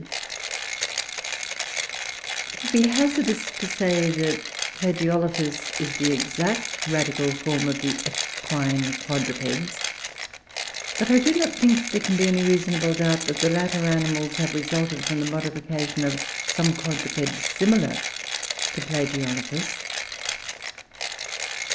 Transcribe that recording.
] It would be hazardous to say that Plagiolophus is the exact radical form of the Equine quadrupeds; but I do not think there can be any reasonable doubt that the latter animals have resulted from the modification of some quadruped similar to Plagiolophus.